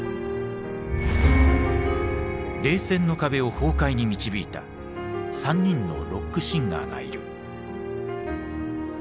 冷戦の壁を崩壊に導いた３人のロックシンガーがいる。